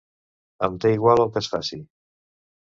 Em té igual el que es faci.